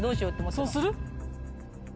そうする？